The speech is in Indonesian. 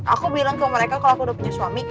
aku bilang ke mereka kalau aku udah punya suami